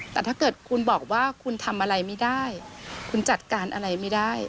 แต่ถ้าเกิดคุณบอกว่าคุณทำอะไรไม่ได้คุณจัดการอะไรไม่ได้